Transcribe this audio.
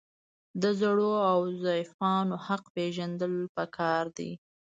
د زړو او ضعیفانو حق پیژندل پکار دي.